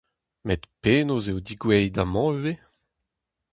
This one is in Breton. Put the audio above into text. Met penaos eo degouezhet amañ ivez ?